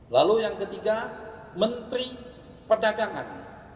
lalu yang ketiga menteri perdagangan